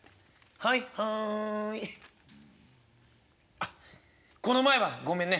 「あっこの前はごめんね」。